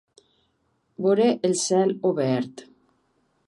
Veure el cel obert.